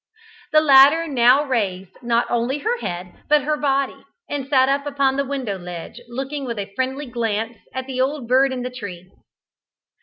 The latter now raised not only her head but her body, and sat up upon the window ledge, looking with friendly glance at the old bird in the tree.